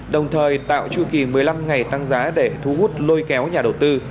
đồng thời tạo chu kỳ một mươi năm ngày tăng giá để thu hút lôi kéo nhà đầu tư